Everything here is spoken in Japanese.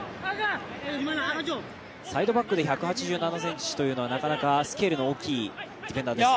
サイドバックで１８７ｃｍというのはなかなか、スケールの大きいディフェンダーですね。